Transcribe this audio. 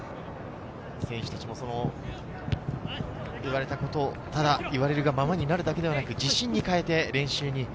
選手たちも言われたことをただ言われるがままになるだけではなく自信に変えて練習に。